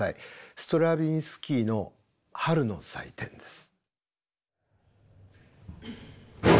ストラヴィンスキーの「春の祭典」です。